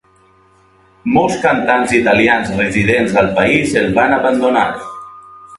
Molts cantants italians residents al país el van abandonar.